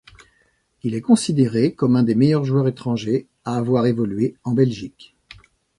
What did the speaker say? Il est considéré comme un des meilleurs joueurs étrangers à avoir évolué en Belgique.